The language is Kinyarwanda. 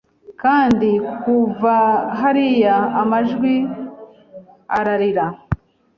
Kandi kuva hariya amajwi ararira